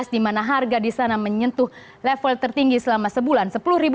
dimana harga di sana menyentuh level tertinggi selama sebulan sepuluh enam ratus lima puluh